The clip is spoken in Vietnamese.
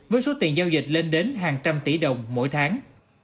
với số tiền giao dịch lên đến hàng trăm tỷ đồng mỗi tháng